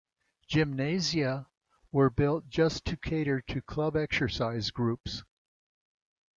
Gymnasia were built just to cater to club exercise groups.